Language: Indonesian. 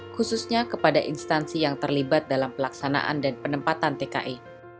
khususnya kepada instansi yang terlibat dalam pelaksanaan dan penempatan tki